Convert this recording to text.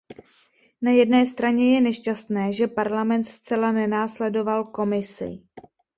Na jedné straně je nešťastné, že Parlament zcela nenásledoval Komisi.